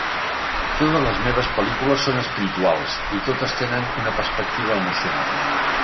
Totes les meves pel·lícules són espirituals i totes tenen una perspectiva emocional.